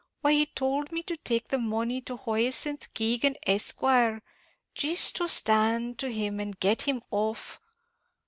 why he towld me to take the money to Hyacinth Keegan, Esq., jist to stand to him and get him off.